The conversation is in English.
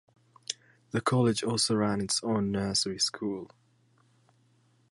The College also ran its own Nursery School.